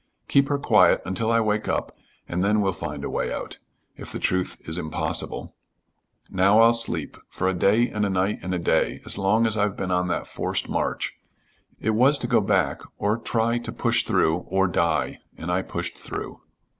Keep her quiet until I wake up and then we'll find a way out if the truth is impossible. Now I'll sleep for a day and a night and a day as long as I've been on that forced march. It was to go back, or try to push through or die and I pushed through."